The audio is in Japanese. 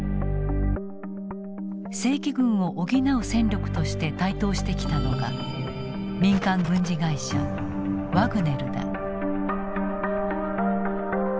正規軍を補う戦力として台頭してきたのが民間軍事会社ワグネルだ。